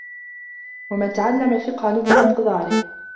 وَمَنْ تَعَلَّمَ الْفِقْهَ نَبُلَ مِقْدَارُهُ